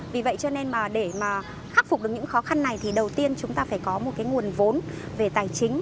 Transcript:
vì vậy cho nên mà để mà khắc phục được những khó khăn này thì đầu tiên chúng ta phải có một cái nguồn vốn về tài chính